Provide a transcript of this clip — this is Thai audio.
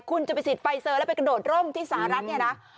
คุณจะไปฉีดไฟเซอร์แล้วไปกระโดดร่มที่สหรัฐเนี่ยนะ